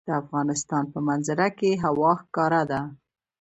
د افغانستان په منظره کې هوا ښکاره ده.